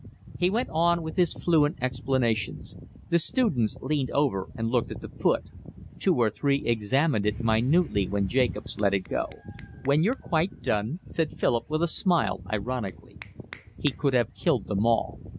He went on with his fluent explanations. The students leaned over and looked at the foot. Two or three examined it minutely when Jacobs let it go. "When you've quite done," said Philip, with a smile, ironically. He could have killed them all.